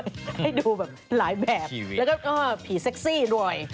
ให้ดูแบบหลายแบบแล้วก็ผีเซ็กซี่ด้วย